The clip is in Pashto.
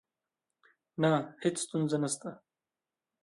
نه، هیڅ ستونزه نشته